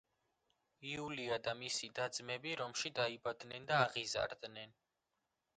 იულია და მისი და-ძმები რომში დაიბადნენ და აღიზარდნენ.